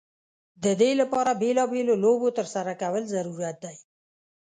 د دې لپاره بیلا بېلو لوبو ترسره کول ضرورت دی.